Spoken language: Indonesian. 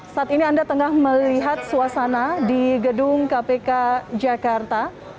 saat ini anda tengah melihat suasana di gedung kpk jakarta